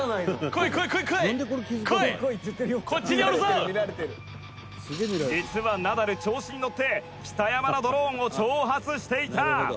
清水：「実はナダル調子に乗って北山のドローンを挑発していた」